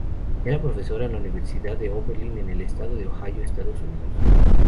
Es profesora en la universidad de Oberlin, en el estado de Ohio, Estados Unidos.